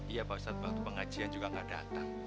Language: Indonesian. iya pak ustadz waktu pengajian juga gak datang